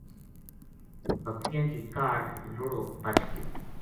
بکریاں کی کاہڈ لُڑو بچ گیو